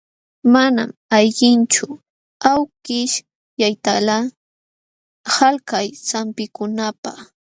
Manam allinchu awkishyaytalaq qalkay sampikunapaq.